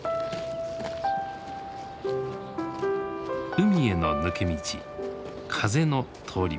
海への抜け道風の通り道。